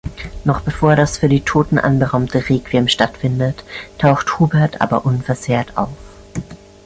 Noch bevor das für die Toten anberaumte Requiem stattfindet, taucht Hubert aber unversehrt auf.